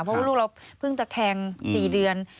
เพราะว่าลูกเราเพิ่งตะแคง๔เดือน